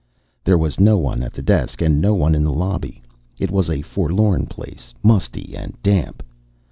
There was no one at the desk and no one in the lobby. It was a forlorn place, musty and damp.